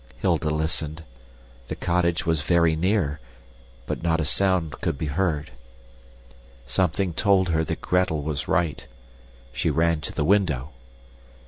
Hilda listened. The cottage was very near, but not a sound could be heard. Something told her that Gretel was right. She ran to the window.